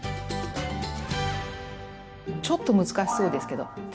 ちょっと難しそうですけど全然。